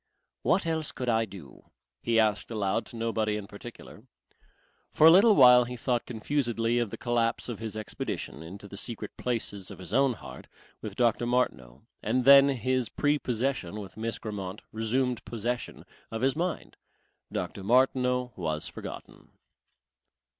"What else could I do?" he asked aloud to nobody in particular. For a little while he thought confusedly of the collapse of his expedition into the secret places of his own heart with Dr. Martineau, and then his prepossession with Miss Grammont resumed possession of his mind. Dr. Martineau was forgotten.